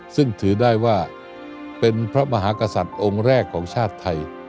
ซึ่งถือได้ว่าเป็นพระมหากษัตริย์องค์แรกของชาติไทย